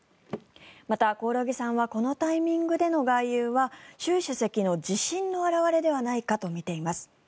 また、興梠さんはこのタイミングでの外遊は習主席の自信の表れではないかとみています。